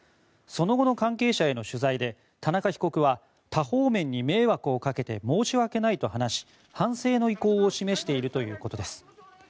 その後の関係者への取材で田中被告は多方面に迷惑をかけて申し訳ないと話し反省の意向を示しているということです。